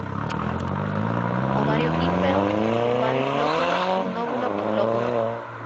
Ovario ínfero con varios lóculos y un óvulo por lóculo.